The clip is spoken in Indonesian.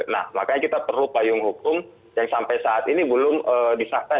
nah makanya kita perlu payung hukum yang sampai saat ini belum disahkan